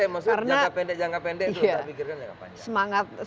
maksudnya jangka pendek jangka pendek itu kita pikirkan jangka panjang